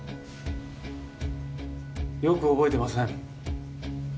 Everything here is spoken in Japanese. よく覚えてません。